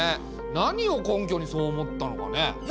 何をこんきょにそう思ったのかね？